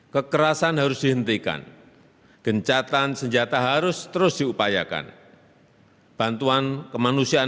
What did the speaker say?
kekerasan harus dihentikan gencatan senjata harus terus diupayakan bantuan kemanusiaan